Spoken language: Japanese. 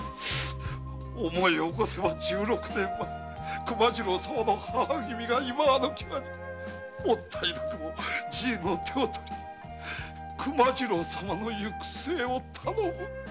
思いおこせば十六年前熊次郎様の母君が今わの際にもったいなくもじいの手をとり熊次郎様の行く末を「頼む頼む」と仰せられ。